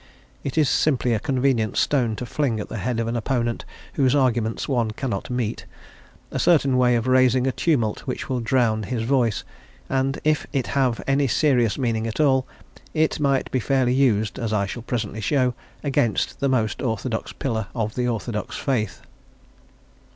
It is simply a convenient stone to fling at the head of an opponent whose arguments one cannot meet, a certain way of raising a tumult which will drown his voice; and, if it have any serious meaning at all, it might fairly be used, as I shall presently show, against the most orthodox pillar of the orthodox faith.